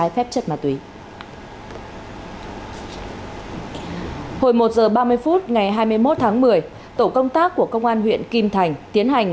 không có khách